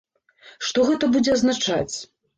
Што гэта будзе азначаць?